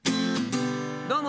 どうも。